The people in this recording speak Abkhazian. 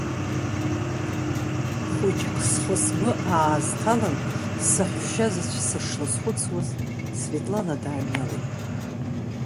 Хәыҷык схы-сгәы аазҭалан, саҳәшьа заҵәы сышлызхәыцуаз, Светлана дааҩналеит.